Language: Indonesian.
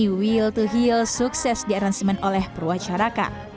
the will to heal sukses di arrangement oleh perwacaraka